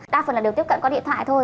đa phần là đều tiếp cận qua điện thoại thôi